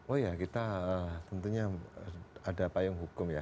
oh ya kita tentunya ada payung hukum ya